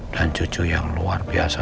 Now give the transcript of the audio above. dan cucu yang luar biasa